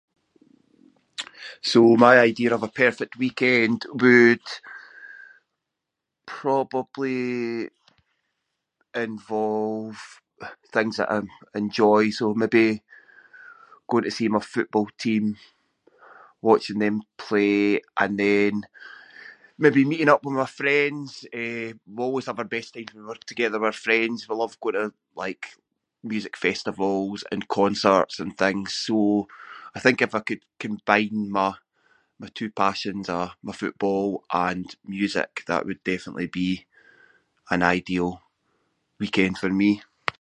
So my idea of a perfect weekend would probably involve things that I enjoy, so maybe going to see my football team, watching them play, and then maybe meeting up with my friends, eh, we always have our best time when we're together with friends. We love going to like music festivals and concerts and things, so I think if I could combine my- my two passions are my football and music- that would definitely be an ideal weekend for me.